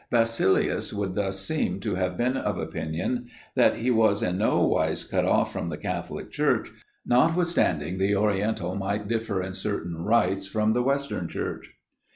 Basilius would thus seem, to have been of opinion that he was in no wise cut off from the Catholic Church, notwithstanding the oriental might differ in certain rites from the western Church.